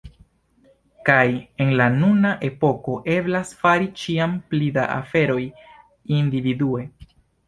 Kaj en la nuna epoko eblas fari ĉiam pli da aferoj individue.